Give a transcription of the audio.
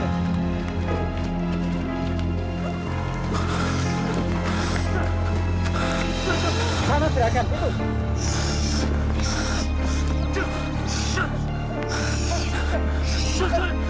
di sana juragan itu